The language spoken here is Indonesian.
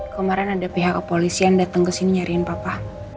kemaren ada pihak kepolisian dateng kesini nyariin papa